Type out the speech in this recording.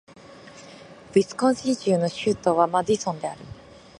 ウィスコンシン州の州都はマディソンである